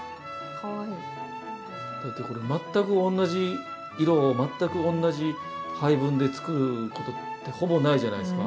だってこれ全く同じ色を全く同じ配分で作ることってほぼないじゃないですか。